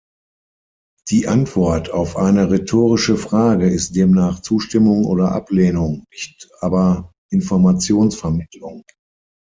Die Antwort auf eine rhetorische Frage ist demnach Zustimmung oder Ablehnung, nicht aber Informationsvermittlung.